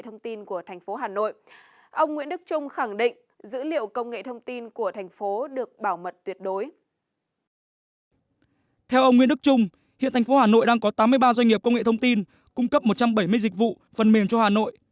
hiện thành phố hà nội đang có tám mươi ba doanh nghiệp công nghệ thông tin cung cấp một trăm bảy mươi dịch vụ phần mềm cho hà nội